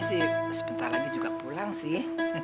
sih sebentar lagi juga pulang sih